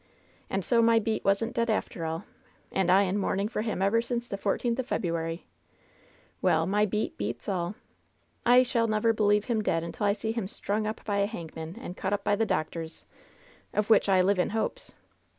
And so my beat wasn't dead, after all 1 And I in mourning for him ever since the fourteenth of February ! Well, my beat beats all ! I shall never believe him dead until I see him strung up by a hangman and cut up by the doctors — of which I live in hopes!